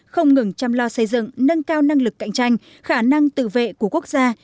không ngừng chăm lo xây dựng nâng cao năng lực cạnh tranh khả năng tự vệ của quốc gia